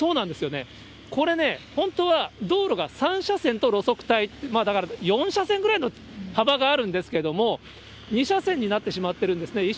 これね、本当は道路が３車線と路側帯、だから４車線ぐらいの幅があるんですけれども、２車線になってしまってるんですね。